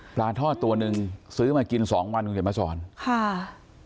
ปลาทอดตัวนึงซื้อมากินสองวันคุณเด็กมาสอน